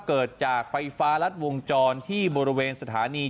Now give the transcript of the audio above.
เกิดจากไฟฟ้ารัดวงจรที่บริเวณสถานี